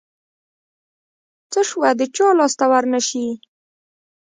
څه شوه د چا لاس ته ورنشي.